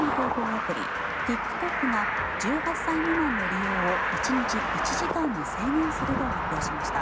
アプリＴｉｋＴｏｋが１８歳未満の利用を１日１時間に制限すると発表しました。